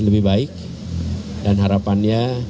lebih baik dan harapannya